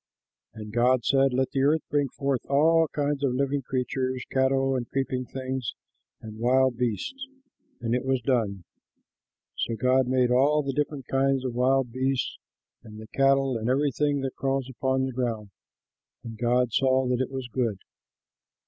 And God said, "Let the earth bring forth all kinds of living creatures, cattle and creeping things and wild beasts." And it was done. So God made all the different kinds of wild beasts, and the cattle, and everything that crawls upon the ground. And God saw that it was good.